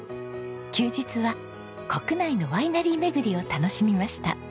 休日は国内のワイナリー巡りを楽しみました。